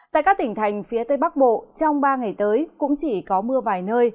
tại các tỉnh thành phía tây bắc bộ trong ba ngày tới cũng chỉ có mưa vài nơi